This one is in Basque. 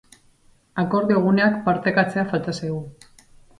Akordio guneak partekatzea falta zaigu.